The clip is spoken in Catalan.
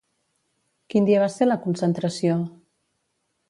Quin dia va ser la concentració?